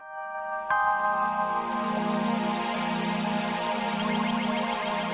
kalau duitnya dikit lain kali tanya dulu lang harganya berapa